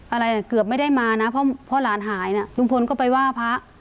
อะไรเกือบไม่ได้มานะเพราะหลานหายเนี่ยลุงพลก็ไปว่าพระ